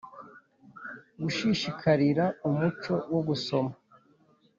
gushishikarira umuco wo gusoma